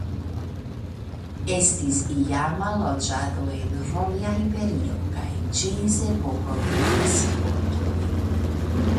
Estis iama loĝado en Romia Imperio kaj ĝis epoko de visigotoj.